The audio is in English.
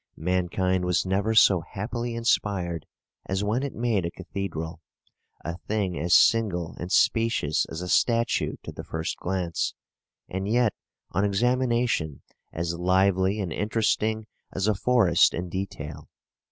Mankind was never so happily inspired as when it made a cathedral: a thing as single and specious as a statue to the first glance, and yet, on examination, as lively and interesting as a forest in detail.